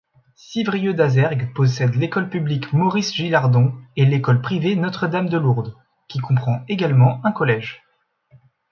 Civrieux-d'Azergues possède l'école publique Maurice-Gilardon et l'école privée Notre-Dame-de-Lourdes, qui comprend également un collège.